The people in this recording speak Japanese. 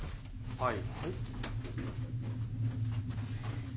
はい。